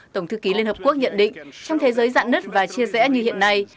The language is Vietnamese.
tổng thư ký liên hợp quốc nhận định trong thế giới dạn nứt và chia rẽ như hiện nay